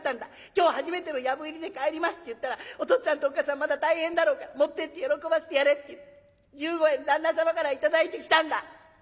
今日初めての藪入りで帰りますって言ったらお父っつぁんとおっ母さんまだ大変だろうから持ってって喜ばせてやれって１５円旦那様から頂いてきたんだ。